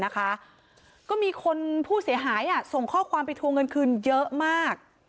ก็มีคนผู้เสียหายส่งข้อความไปทวงเงินคืนเยอะมาก